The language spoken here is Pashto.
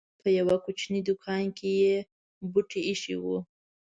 په يوه کوچنۍ دوکان کې یې بوټي اېښي وو.